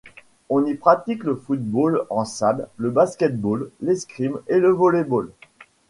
On y pratique le football en salle, le basket-ball, l'escrime et le volley-ball.